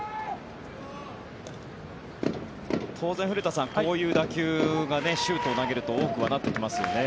当然、古田さん、こういう打球がシュートを投げると多くはなってきますよね。